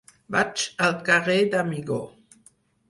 Vaig al carrer d'Amigó.